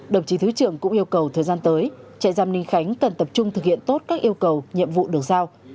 đồng chí thứ trưởng cũng yêu cầu thời gian tới trại giam ninh khánh cần tập trung thực hiện tốt các yêu cầu nhiệm vụ được giao